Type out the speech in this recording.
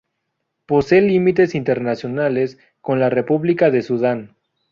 Posee límites internacionales con la República de Sudán.